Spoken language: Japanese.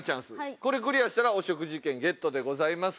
これクリアしたらお食事券ゲットでございます。